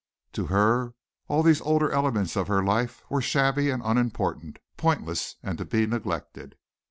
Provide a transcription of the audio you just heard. To her all these older elements of her life were shabby and unimportant, pointless and to be neglected.